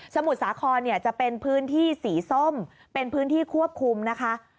มุทรสาครเนี่ยจะเป็นพื้นที่สีส้มเป็นพื้นที่ควบคุมนะคะ